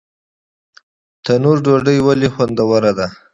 تندور ډوډۍ ولې خوندوره ده؟